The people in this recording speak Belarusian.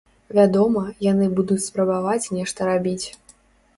Вядома, яны будуць спрабаваць нешта рабіць.